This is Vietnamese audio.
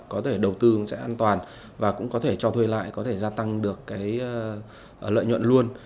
có thể đầu tư sẽ an toàn và cũng có thể cho thuê lại có thể gia tăng được cái lợi nhuận luôn